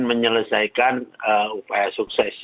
menyelesaikan upaya suksesi